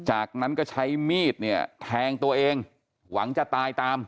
จากนั้นก็ใช้มีดเนี่ยแทงตัวเองหวังจะตายตาม